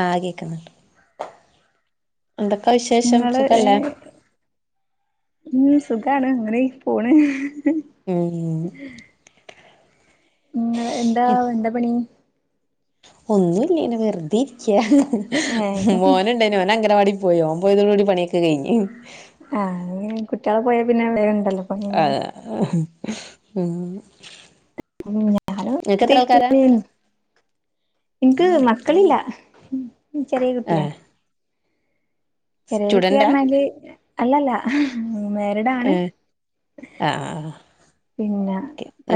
ആഹ് കേക്ക്ന്നുണ്ട് എന്തൊക്കെ വിശേഷം നിങ്ങള് സുഖല്ലേ ഉം സുഖാണ് അങ്ങനെയ് പോണ് ഊം നിങ്ങള് എന്താ എന്താ പണി ഒന്നൂല്ല്യ ഇങ്ങനെ വെറുതെ ഇരിക്യാ ഏഹ് മോനുണ്ടായ്നു ഓനംഗനവാടി പോയോ പോയതോടൂടി പണിയൊക്കെ കഴിഞ്ഞു ഉം ആഹ് ഉം കുട്ടികള് പോയാ പിന്നെ നേരണ്ടല്ലോ ആഹ് ഉം ഉം ഞനോ നിങ്ങക്ക് എത്ര ആൾക്കാരാ ഇൻക്ക് മ [unintelligible] മക്കളില്ല ചെറിയ കുട്ടിയാ ഏഹ് ചെറിയ സ്റ്റുഡന്റാ കുട്ടിപർഞ്ഞാല് അല്ലല്ല മേരിഡാണ് ഏഹ് ആഹ് ആഹ് പിന്നെ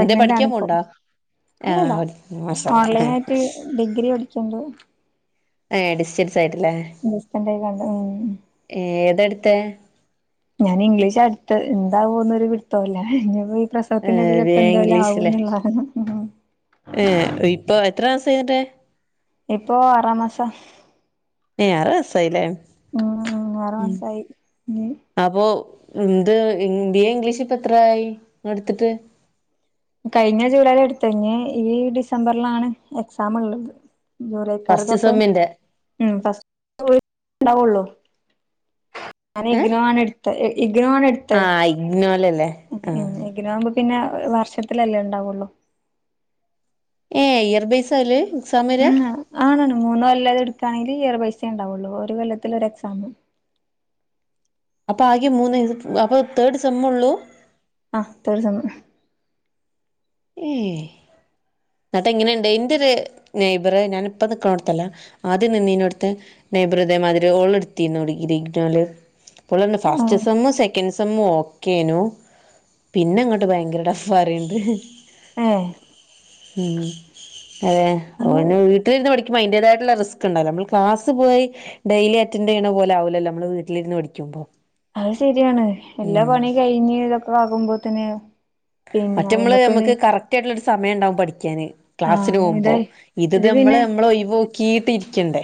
എന്തേ പഠിക്കാൻ ആണിപ്പൊ പോവ്ണ്ടോ ഇല്ലല്ല ആഹ് മാഷാ അള്ളാ ഓൺലൈനായിറ്റ് ഡിഗ്രി പഠിക്ക്‌ണ്ട് ഏ ഡിസ്റ്റൻസായ്ട്ട്ല്ലേ ഉം ഞാനിഗ്ലീഷാ എടുത്തത് എന്താവോന്നൊരു പിടുത്തോല്ല ഇനീപ്പ പ്രസവത്തിന്റെ ഏഹ് ബി എടയ്ലൊക്കെ എന്തേലാവോന്നുള്ളാര്ണം ഏ ഇപ്പ എത്ര മാസായ്ന്ന്ട്ട് ഇപ്പൊ അറാമാസാ ഏ ആറ്വയസായില്ലേ ആറ് ഉം മാസായി ഇനി അപ്പൊ - ഇമ് ദ് ഇ ബി എ ഇംഗ്ലീഷ് ഇപ്പൊ എത്രായി ഇങ്ങൾ ഇടത്ത്ട്ട് കഴിഞ്ഞ ജൂലൈലാ ഇട്ത്തത് ഇഞ് ഈ ഡിസംബർലാണ് എക്സാം ഇള്ളത് ഉം ജൂലൈ ഫസ്റ്റ് കാരതൊക്കെ സെമ്മിന്റെ ഉം ഫസ്റ്റ് ഓൽക്കേ ണ്ടാകൊള്ളു ഏ ഞാനിഗ്നോ ആണ് എടുത്തത് അഹ് ഇഗ്ന് ആ ഇഗ്നോലെ ഉം ഉം ഇഗ്നോ ആവുമ്പോ പിന്നെ വർഷത്തിലല്ലേ ഇണ്ടാവൊള്ളൂ ഏ ഇയർ ബെയിസാ ആയ്ല് ഉം അ ആണാണ് മൂന്ന്കൊല്ലം അത്ട്ക്കാണെങ്കി - അത് ഇയർ ബൈസേ ഇണ്ടാവൊള്ളൂ. ഒരു കൊല്ലത്തില് ഒരു എക്സാമ്. അപ്പൊ ആകെ മൂന്ന് ഇത് അപ്പൊ തേർഡ് സെമ്മോള്ളൂ ആ തേർഡ് സെമ്മ് ഏഹ് ഇന്ന്ട്ടെങ്ങനെണ്ട് ഇന്റെര് നെയ്‌ബറ് ഞാൻ ഇപ്പൊ നിക്ക്ണോടത്തല്ല ആദ്യം നിന്നീനോട്ത്ത് നെയ്‌ബർ ഇതേമാതിരി ഒളിട്ത്തീന്നു ഇ ഇഗ്നോല് അപ്പോളറഞ്ഞു ആ ഫസ്റ്റ് സെമ്മ് സെ - ൻക് സമ്മോക്കേന്നു പിന്നങ്ങട്ട് ഭയങ്കര ടഫാറയ്ണ്ട് ഉം ഇമ്... അതെ അഹ് അത് പിന്നെ വീട്ടിലിരുന്ന് പഠിക്കുമ്പോ അതിന്റെതായിട്ടുള്ള റിസ്ക് ഇണ്ടാവൊലോ നമ്മൾ ക്ലാസ്സ്‌ പോയി ഡെയലി അറ്റൻഡ് ൻഡ് ചെയ്യണപോലാവൂല്ലല്ലോ നമ്മള് വീട്ടിരുന്ന് പഠിക്കുമ്പോ അത് ശരിയാണ് എല്ലാ ഉം പണിയും കഴിഞ്ഞ് ഇതൊക്കെ ആകുമ്പോത്തിന് പി മറ്റെ ഇമ്മള് നമ്മക്ക് കറക്റ്റ് ആയിട്ടുള്ള ഒരു സമയം ഇണ്ടാവും പഠിക്കാന് ആഹ് ക്ലാസ്സിനോവുമ്പോ ഇതെ ഇത് ത് നമ്മള് മ്മളെ ഒഴിവോക്കി കീട്ട് ഇരിക്കണ്ടേ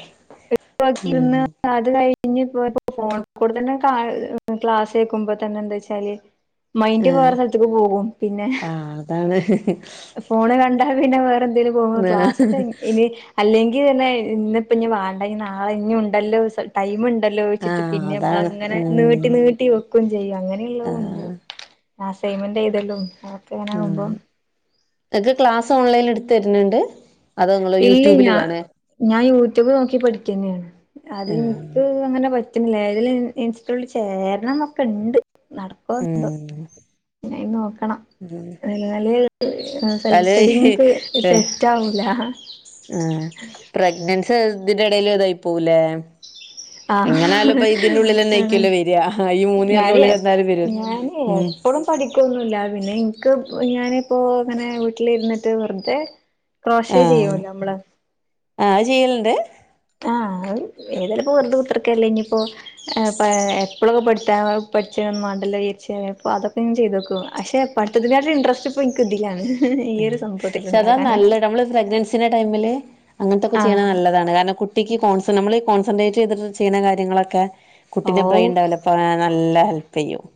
ഉം [unintelligible] ഇനിയിപ്പൊ ഫോണ് ഫോണ്ക്കൂടെ തന്നെ കാ ക്ലാസ് കേൾക്കുമ്പോ തന്നെ എദ്ധോയ്ചാല് മൈന്റ് ആഹ് വേറെ സ്ഥലത്ത്ക്ക് പോകും.. പിന്നെ- ആഹ് അതാണ് ഫോണ് കണ്ടാ പിന്നെ വേറെ എന്ത്നേലും പോവുമ്പോ ക്ലാസ്സൊക്കെയ്ൻ ഇനി അല്ലെങ്കി ഇന്നേയ് ഇഞ്പ്പൊഞ്ഞ് വാണ്ട, ഇഞ്ഞ് നാളെ ഇഞ്ഞും ഇണ്ടല്ലോ സ് ടൈം ഇണ്ട ആലോയിച്ച്ട്ട് ആഹ് പിന്നെ അതാണ് ഞമ്മളങ്ങനെ നീട്ടി ഉം നീട്ടി വെക്കും ചെയ്യും. അങ്ങനെഇള്ളോം ണ്ട്, ആഹ് അസ്സിംഗ്ന്മെന്റ് എഴുതലും അതൊക്കെങ്ങനാവുമ്പോ ഇങ്ങക്ക് ക്ലാസ് ഓൺലൈനിൽ ഇടുത്ത് തര്ണ് ണ്ട് അതോ ഇങ്ങള് ഇല്ല യൂട്യൂബില് ഞാ കാണെ ഞാൻ യൂട്യൂബ് നോക്കി പഠിക്കന്നെണ് അത് ആഹ് ഇൻക് അങ്ങനെ പ ഇല്ലേ അതില് ഇൻക്കും ചേരണംന്നൊക്കെ ഇണ്ട് നടക്കോ ഉം എന്ധോ ന്നെ അയിന് നോക്കണം ഉം ഇങ്ങള് ആ സെൽഫ് തല സ്റ്റഡി ഇങ്ങക്ക് സെറ്റ് ആവൂലാ ആ പ്രഗ്നൻസി ഇതിന്റെ എടേല് ഇതായിപ്പോകുംലെ ആഹ് എങ്ങനായാലും പ്പൊ ഈ ഇതിന്റുള്ളിലെന്നെയിരിക്കോലോ അതെ വെരാ ഹാ ഈ മൂന്ന് ഞാന് ഇയർന്റുള്ളിലെന്തായാലും വെരോല്ലോ ഞാന് ഹ് മ് എപ്പളും പഠിക്കൊന്നുല്ല പിന്നെ ഇൻക് ഞാനിപ്പോ ഇങ്ങനെ വീട്ടിലിരുന്ന്ട്ട് വെർതെ ക്രോഷേ ചെയ്യോലോ മ്മള് ആ.. അയ്ചെയ്യല്ണ്ട്? ആ അഹ് ഏതായാലുംപ്പൊ വെർതെ കുത്ത്ർക്കല്ലെ ഇഞ്ഞ്പ്പൊ ആഹ് പ എപ്പളുപ്പൊ പഠിക്കാ പഠിച്ചൊന്നും മാണ്ടല്ലോ വിചാരിച്ച് ഞാനിപ്പോ അതൊക്കെങ്ങനെ ചെയ്തോക്കും അശെ പഠിത്തത്തിനെക്കാട്ടിലും ഇന്ട്രെസ്റ്റ് ഇപ്പൊ ഇൻക് ഇതിലാണ് ഈ ഉം ഒരു സംഭവത്തിൽ പക്ഷെ അതാ ഉണ്ടാക്കാനാണ് നല്ലെത് നമ്മൾ പ്രേഗ്നെൻസി ന്റെ ടൈമില് അങ്ങനത്തൊക്കെ ചെയ്യണത് ആഹ് നല്ലതാണ് കാരണം കുട്ടിക്ക് കോൺസെ നമ്മൾ ഈ കോൺസൻട്രേറ്റ് ചെയ്തിട്ട് ചെയ്യുന്ന കാര്യങ്ങളൊക്കെ കുട്ടിന്റെ ബ്രെയിൻ ഡെവലപ്പാവാൻ നല്ല ഹെൽ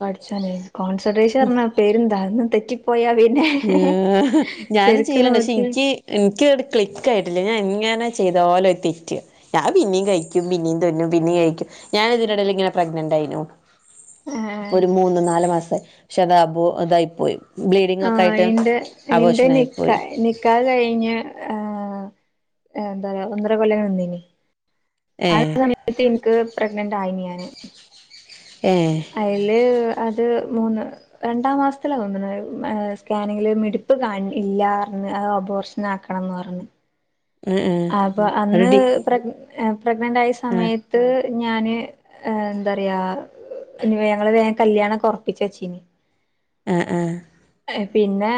പഠിച്ചണെ കോൺസെൻഡ്രെഷൻ ന്നറഞ്ഞ പെരുംധാ ഒന്ന് തെറ്റിപ്പോയ വെ ഉം ഞാനും ചെയ്യലണ്ട് പക്ഷെ നോക്കി ഇൻക്ക് ഇൻക്ക്ങ്ങട് ക്ലിക്ക് ആയിട്ടില്ല ഞാൻ എൻ- ങ്ങനെ ചെയ്തോലും അത് തെറ്റാണ് ഞാൻ പിന്നീം കഴിക്കും പിന്നീം തുന്നും പിന്നീം അഴിക്കും ഞാൻ ഇതിന്റെടേൽ ഇങ്ങനെ പ്ര പ്രെഗ്നന്റ് ആയീന്നു. ആഹ് ഇപ്പൊര് മൂന്ന് നാല് മാസായി. പക്ഷെ അത് അബോ ഇതായിപ്പോയി. ബ്ലീ- ആ എന്റെ ന്റെ നിക്ക പോയി നിക്കാഹ്‌ കഴിഞ്ഞ ആ എന്താ റയ ഒന്നരകൊല്ലകടന്നീനി ആ ഏഹ് സമയത്ത് എനിക്ക് പ്രഗ്നൻ ആയിനിഞാന് ഏഹ് അയ്ല് അത് മൂന്ന് രണ്ടാം മാസ്ത്തിലാ തൊന്ന്ണ് ഏ സ്കാനിങ്ങില് മിടിപ്പ് കാൺ ഇല്ലാർണ് ഏ ഒബോഷനാക്കണംന്ന് പർഞ് ഉം ഉം അപ്പൊ അന്ന് റെഡി പ്രഗ് പ്രഗ്നന്റായ ആഹ് സമയത്ത് ഞാന് എന്തറയാ ഇനി വേ ങ്ങള് വേഗം കല്യാണൊക്കെ ഒറപ്പിച്ചെച്ചി ആ ആ പിന്നെ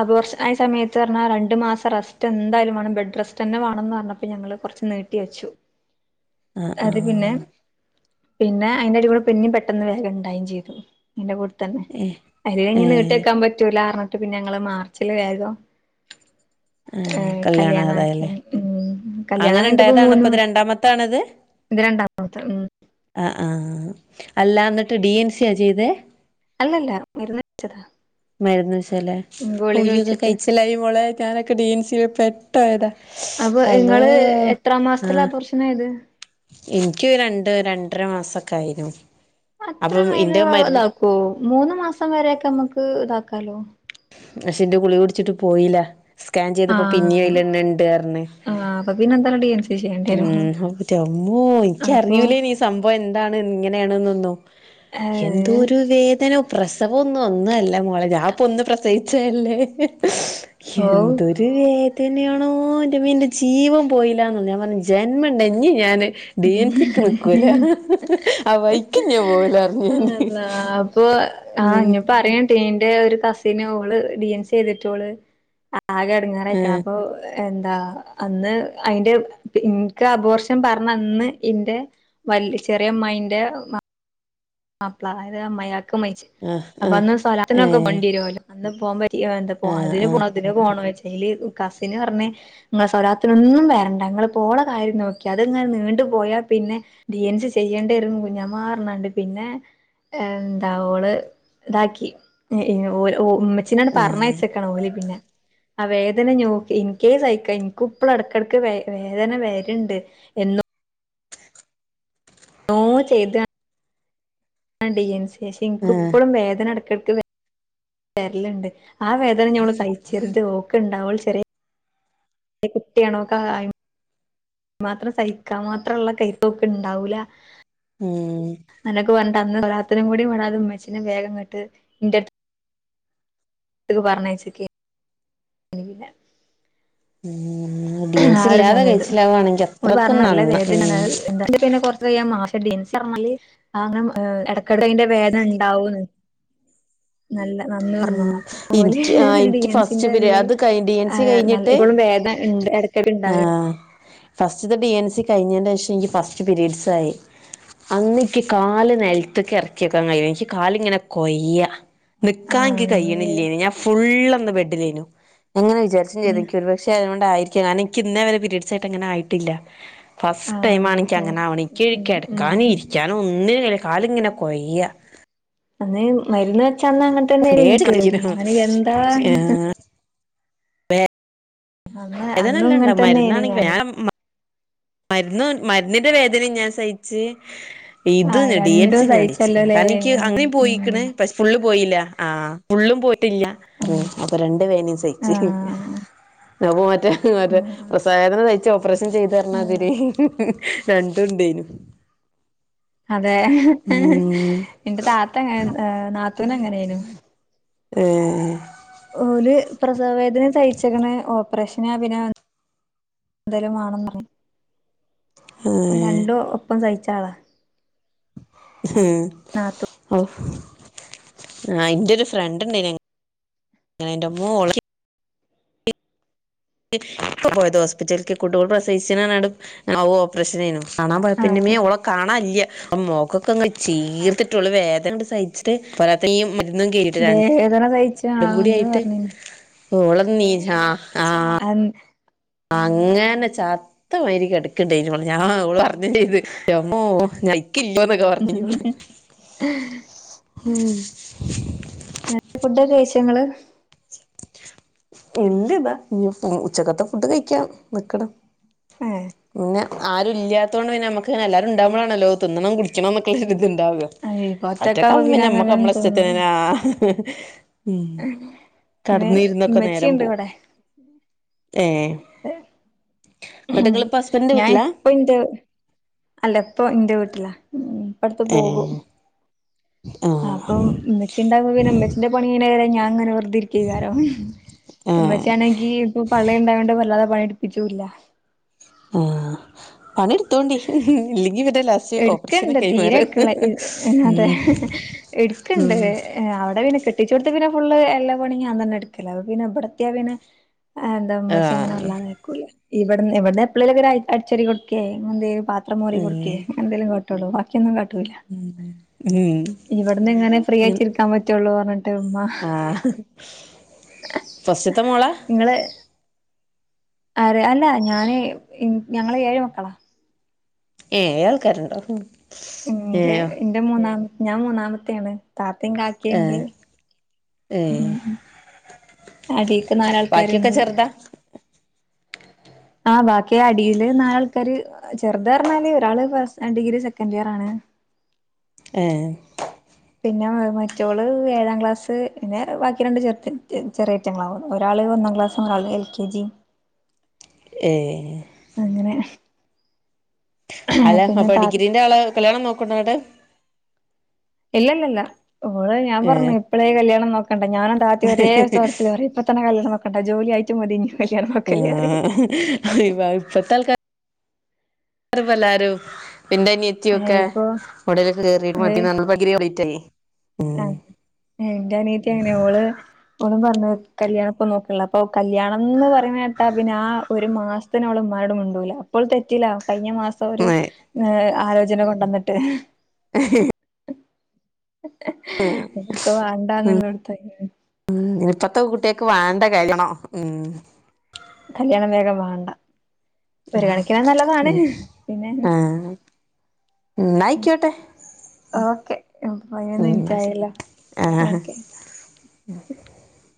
അബോഷനായ സമയത്തർഞ്ഞാ രണ്ട് മാസം റെസ്റ്റെന്തായാലും വേണം ബെഡ്റെസ്റ്റ് തന്നെ വേണംന്നർഞ്ഞപ്പ ഞങ്ങള് കൊറച്ച് നീട്ടി വെച്ചു ആഹ് അത് പിന്നെ ആഹ് പിന്നെ അയ്ന്റെരുക്കൂടെ പിന്നേം പെട്ടെന്ന് വേഗണ്ടായെം ചെയ്ത് അയിന്റെ കൂടെ തന്നെ ഏഹ് അത് കയ്ഞ്ഞ് ഏഹ് നീട്ടിവെക്കാൻ പറ്റൂലാർഞ്ഞിട്ട് പിന്ന ഞങ്ങള് മാർച്ചില് വേഗം ആ ഏഹ് കല്യാണായതാ കല്യാണാക്കി ഉം കല്യാണം കഴിഞ്ഞിട്ടിപ്പോ മൂന്ന് ഇപ്പത് രണ്ടാമത്താണത് ഇത് രണ്ടാമത്തെ ഉം ആ ആ അല്ലാ ന്നിട്ട് ഡി എൻ സി യാ ചെയ്തേ അല്ലല്ല മരുന്ന് കഴിച്ചതാ മരുന്ന് വെച്ചല്ലേ ഓ ഗുളിക ഈയ്യോക്കെ വെച്ചിട്ട് കയ്ച്ചലായി മോളെ ഞാനൊക്കെ ഡി എൻസി വെപ്പെ ട്ടായത അപ്പ ഇങ്ങള് എത്രമാസത്തില അപോർഷനായത് എനിക്ക് രണ്ട് രണ്ടര മാസൊക്കെ ആയിനു അത്ര അപ്പം ഇന്റെ വേഗം മരുന്ന് താക്കോ മൂന്ന് മാസം വരൊക്കെ മ്മക്ക് ഇതാക്കാലോ പഷെ എന്റെ ഗുളിക കുടിച്ചിട്ട് പോയില്ല സ്കാൻ ചെയ്തപ്പോ പിന്നേം ആഹ് അയ്ലെന്നെണ്ട് പർഞ്ഞ് ആഹ് അപ്പൊ പിന്നെ എന്തായാലും ഡി എൻ സി ചെയ്യേണ്ടി വരും ഉം ഹൗ എന്റെമ്മോ അപ്പൊ എക്കറിയൂല്ലേനി ഈ സംഭവം എന്താണ് ന്ന് എങ്ങനെയാണ് ന്നൊന്നും ഏഹ് എന്തോരു വേദന പ്രസവൊന്നും ഒന്നുഅല്ല മോളെ ഞാപ്പ ഒന്ന് പ്രസവിച്ചല്ലേ ഓഹ് എന്തൊരുവേ തന്നെയാണോൻ്റെമ്മേ ന്റെ ജീവൻ പോയില്ലാന്ന് ഞാൻ പറഞ്ഞ് ജന്മണ്ടെ ഇഞ് ഞാന് ഡീഎൻസിക്ക് നിക്കൂല ആ വൈക്ക്‌ ഇഞ് പോവുലാർഞ് ഞാന് ആഹ് ഉം ഇനി പറയൻട്ടെ ന്റെ കസിന് ഓള് ടി എൻ സി സെയ്തിട്ട് ഓള് ആകെ എടങ്ങേറായ്ക്കണ് അപ്പൊ എന്താ അന്ന് അയ്ന്റെ പിൻ ക്ക് അപോർഷൻ പർ ന്ന അന്ന് ഇന്റെ വല്യ ചെറിയമ്മായിന്റെ മാപ്പ്ളാരെ അമ്മായാക്ക മൈച്ച് ആഹ് ആഹ് അപ്പൊ ആഹ് അന്ന് സ്വലാത്തിനൊക്കെ ഏഹ് പോണ്ടിരോലോ അന്ന് പോമ്പ റ്റ്യി എന്താ ആഹ് അതിന് ആഹ് പോണോ ഇതിന് വെച്ച് ന്റെയ്ല് കസിന് പർഞ് നിങ്ങള് സ്വലാത്തിനൊന്നും വരണ്ട ഇങ്ങള്പ്പ ഓള കാര്യം നോക്കിയാ അത്ങ്ങനെ നീണ്ട് പോയാ പിന്നെ ഡി എൻ സി ചെയ്യേണ്ടിരും കുഞ്ഞമ്മാ പർഞ്ഞാണ്ട് പിന്നെഎന്താ ഓള് ഇതാക്കി [unintelligible] ച്ച്നത് ഏഹ് പർഞ്ഞയ്ച്ച്ക്ക്‌ണ് ഓല് പിന്നെ ആ വേദന ഞ്ഞോ ഇൻക്കേ സൈക്ക ഇൻക്കും ഇപ്പളെടക്കെടക്ക് വേ വേദന വെര്ണ്ട് എന്നും ന്നോ ചെയ്ത ആ ഡി എൻ സി ക്ക് ശേഷം ആഹ് ഇനിക്കിപ്പഴും വേദന എടക്ക ക്ക് വെ വെര്ല്ണ്ട് ആ വേദന ഞമ്മള് സയ്ച്ച് ന്ന്ട്ട് ഓൾക്ക്ണ്ടാവൊള്ളൂ ചെറിയ എ കുട്ടിയെണോക്കാ യം മാത്രം സയ് ക്കാൻ മാത്രള്ള കെൽപ് ഓൾ ക്കുണ്ടാവൂല ഉം [unintelligible] കൂടി വിടാതെ ഉമ്മച്ചീനെ വേഗം ഇങ്ങ ട്ട് ഇന്റെ [unintelligible] പറഞ യ് ച്ച്ക്കെന്നു അനി പിന്നെ ഉം ഡി എൻ ആ സി ഒരു ഇല്ലാതെ സമയ് ത്ത് കഴിച്ചിലാവാണെങ്കി ഓൽ അത്രക്കും പറഞ്ഞ നല്ല നന്ന വേദനെ ണ് ഉം അഹ് എന്ത പിന്നെ കൊറച്ചഴിഞ്ഞ മാ [unintelligible] ആ അങ്ങനെ ഇടക്കിടെ അതിന്റെ വേദന ഉണ്ടാവൂ ന്ന് നല്ല നന്ന ർ ന്ന ഉം ഓല് എനിക്ക് ആ ഡി എനിക്ക് എൻസിന്റെ ഫസ്റ്റ് പിരി തില് അത് കഴി ഡി ഇ പ്പളും വേദ ആ ഫസ്റ്റ്ത്തെ ഡി എൻസി കഴിഞ്ഞിന്റെ ഷം എനിക്ക് ഫസ്റ്റ് പിരീഡ്സ് ആയി അന്നിക്ക് കാല് നെൽത്ത്ക്ക് എർ ക്കിക്കാൻ കഴിയൂ എനിക്ക് കാലിങ്ങനെ കൊയ്യ ആ നിക്കാ എൻ ക്ക് കഴിയണില്ലേന് ഞാൻ ഫുള്ളന്ന് ബെഡിലേനു ങ്ങനെ വിചാര് ച്ചും ചെയ്ത് ഇക്ക് ഒരു പക്ഷെ അതോണ്ടായിരിക്കെ ഞൻ എനിക്ക്ന്നെ വരെ പീരീഡ്സായിട്ട് ങ്ങനെ ആയിട്ടില്ല ഫസ്റ്റ് ആഹ് ടൈമാണിക്ക് അങ്ങനെ അതായിരിക്കും ആവണ് ഇക്ക് ഉം ഉം കെടക്കാന് ഇരിക്കാനും ഒന്നിനു കാലി ങ്ങനെ കോയ്യാ അന്ന് മരുന്ന് വെച്ചന്ന് അങ്ങനെ തന്നെന്നു ഇൻ ക്ക് ഞാൻ എന്താണ് വേ അന്ന് അന്നും ഇങ്ങനെ തന്നെന്നു ഞാൻ മരുന്നും മരുന്നിന്റെ വേദനിം ഞാൻ സയ്‌ ച്ച് ഇത് ആഹ് ഡി എൻ സി രണ്ടും [unintelligible] സഹിച്ചല്ലോല്ലേ കാരണം ഇൻ ക്ക് അങ്ങനീം ഉം പോയിക്ക്ണ് പക്ഷെ ഫുള്ള് പോയില്ല ആ ഫുള്ളും പോയിട്ടില്ല ആഹ് അപ്പൊ രണ്ട് വേനീം സയിച്ച് ആഹ് അപ്പ മറ്റേ മ റ്റേ പ്രസവവേ ദ ന സയ്ച്ച് ഓപ്പറേഷൻ ചെയ്ത് പർ ഞ്ഞ ആഹ് രണ്ടും ഉണ്ടേയ്നു അതെ ഇന്റെ താത്തങ്ങ നെ ഏ നാത്തൂനങ്ങനേനു [inaudible] ഓല് പ്രസവവേദനീം സയ്ച്ച് ക്ക് ണ് ഓപ്പറേഷന പിന്നാ ന്തേലും വാണം ത് രണ്ടും ഒപ്പം സയ് ച്ചാളാ [unintelligible] ആ ഇൻ്റെരു ഫ്രണ്ട് ഇണ്ടായിന് ആ ഇന്റെമ്മോ ഓൾ ക് ഇപ്പ പോയത് ഹോസ്പിറ്റല്ക്ക് കുടൂള് പ്രസിവിചാ നാനാട് ആ ഹ് ഓപ്പറേഷൻ ആയിനു കാണാൻ പോയപ്പോ ന്റമ്മേ ആഹ് ഓളെ കാണാല്യ ആ മൊ ഖ ക്കെ അങ്ങ് ചീർത്തിട്ട് ഓള് വേദനങ്ങ് സയിച്ചിട്ട് പോരാത്ത ഈ മരുന്നും കേറിട്ട് രണ്ടും വേദന സയിച്ച ആ കൂടി ന്ന് ആയിട്ട് പറഞ്ഞിന്ന് ഓള് നീജാ ആ അങ്ങനെ ചത്ത മാ രി കെടക്ക്ണ്ടയിനു ഞാ ഓള് പറഞ്ഞും ചെയ്ത് ന്റമ്മോ [unintelligible] പറഞ്ഞ് ന്നി ഫുഡൊക്കെ കയ്ച്ചോ ങ്ങള് ഇല്ല താ ഇഞ്ഞി ഉ ഉച്ചക്കത്തെ ഫുഡ് കഴിക്കണം നിക്ക്ണ് ഏഹ് പിന്നെ ആരു ഇല്ലാത്തോ ണ്ട് പിന്നെ നമ്മക്ക്ല്ലാരുണ്ടാ മ്പൊ ളാണല്ലോ തിന്നണം കുടിക്കന്നക്കൊരുള്ളൊരു ഇണ്ടാകാ അയ് ഇപ്പൊ ഒറ്റക്കാവുമ്പോ പിന്നെ നമ്മക്ക് അങ്ങനൊന്നും നമ്മളിഷ്ടതിന തോന്നൂല ന്നെ ആ ഹ് ഉം കടന്നിരുന്നോ? ചീണ്ടിവടെ ഏ എന്നിട്ട് ഇങ്ങളിപ്പോ ഹസ്ബൻഡിന്റെ ഞാൻ വീട്ടിലാ ഇപ്പ ന്റെ അല്ല ഇപ്പൊ ന്റെ വീട്ടിലാ പ്പ ട് ത്തു ഏ പോകും ആ അപ്പം മ്മച്ചിണ്ടാവുമ്പോ പിന്നെ മ്മച്ചന്റെ പണി കയ്യിണ വരെ ഞാ അങ്ങനെ വെർതെര് കേക്കാരം ഏ മ്മച്ചിയാണെങ്കി പ്പൊ പള്ളേൽണ്ടാ യൊണ്ട് വല്ലാതെ പണി ഇജൂല ഉം പണി ഇ ട് ത്തോണ്ടി ഇല്ലെങ്കി പിന്നെ ലസ് എടുക്ക്ണ്ട് തീരെ എടുക്ക്ള്ള അതെ ഉം എടുക്ക്ണ്ട് ഉം അവിടെ പിന്നെ കെട്ടിച്ചോ ട് ത്ത് പിന്നെ ഫുള്ള് എല്ലാ പണീം ഞാൻ തന്നാഎടുക്കല് അപ്പൊ പിന്നെ ഇബ ടത്തിയാ പിന്നെ ഏ ന്ത ആ മ്മച്ച അങ്ങനെ വല്ലാതെയിക്കൂല ഇവിടന്ന് ഇവിടന്ന് എപ്പളെങ്കിലൊക്കെ അടിച്ചാരി കൊടുക്കെ എന്ത പത്രമോറി കൊടുക്കേ ഉം എന്തെങ്കിലും കട്ടുള്ളൂ ബാക്കിയൊന്നും ക ല ഇവിടന്ന് ഇങ്ങനെ ഫ്രീ ഉം ആയിട്ടിരിക്കാൻ പറ്റുള്ളു പറഞ്ഞിട്ട് മ്മ ഫസ്റ്റിത്തെ മോള നിങ്ങള് ആര് അല്ല ഞാന് ഇൻ ഞങ്ങള് ഏഴ് മക്കളാ ഏഹ് ആൾക്കാരുണ്ടോ എന്റെ എന്റെ മൂന്നാമ ഞാൻ മൂന്നാമത്തെണ് താത്തയും ഏ കാക്കിയുണ്ട് ഏ ഉം അടിക്ക് ബാക്കിയൊക്കെ നാലാൾക്കാരുണ്ട് ചെറുതാ ആഹ് ബാക്കി അടില് നാലാൾക്കാര് ചെറുത് പറഞ്ഞാല് ഒരാള് പ്ലസ് ഡിഗ്രി സെക്കൻറ് ഇയർ ആണ് ഏഹ് പിന്നെ മറ്റോള് ഏഴാം ക്ലാസ്സ് പിന്നെ ബാക്കി രണ്ട് ചെറ് ചെ ചെറിയറ്റങ്ങളാവുന്നു ഒരാള് ഒന്നാം ക്ലാസ് ഒരാള് എൽ കെ ജി ഏ അങ്ങനെ അല്ല പിന്നെ അപ്പൊ താ ഡിഗ്രീന്റെ ആള് കല്യാണം നോക്കണ്ടങ്ങോട്ട് ഇല്ലല്ലല്ല ഓള് ഞാൻ ഏ പറഞ്ഞ ഇപ്പോഴേ കല്യാണം നോക്കണ്ട ഞാനും താതേം ഒരേ സ്വരത്തില് പറയും ഇപ്പ തന്നെ കല്യാണംനോക്ക കണ്ടാ ജോലിയായിട്ട് മതിഞ്ഞു ഏഹ് ഇപ്പത്താൽക്ക റ് പ്പ എല്ലാരും എന്റെ അനിയത്തിയൊഒക്കെ ഇപ്പൊ ഉടലൊക്കെ കയറിയിട്ട് മതി ഏഹ് പറഞ്ഞു പ്പ പ്പഗ്രിയോ ലേറ്റായി ആഹ് എന്റെ അനിയത്തി അങ്ങനെ ഓള് അവളും പറഞ്ഞത് കല്യാണം ഇപ്പൊ നോക്കുള്ള അപ്പൊ കല്യാണം എന്ന് പറയണ കേട്ടാ പിന്നെ ആ ഒരു മാസത്തിന് അവള് മ രോടും മിണ്ടൂല അപ്പോൾ തെറ്റില്ല കഴിഞ്ഞ മാസം ഒരു ഏഹ് ആലോചന കൊണ്ടുവന്നിട്ട് ഏഹ് ഓക്ക് വേണ്ടാന്നുള്ളോടത്ത് ഇനിപ്പത്തെ കുട്ടിയക്ക് വാണ്ട കഴിക്കണോ ഉം കല്യാണം വേഗം വേണ്ട ഒരു കണിക്കിനാ നല്ലതാണ് ഉം പിന്നെ ന്നാ ആയിക്കോട്ടെ ഓക്കെ പയ്നൊന്നു മിനിറ്റായല്ലോ ആ ഓക്കെ [unintelligible]